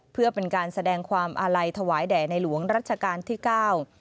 เพื่อเป็นการแสดงความอาลัยถวายแด่ในหลวงรัชกาลที่เก้า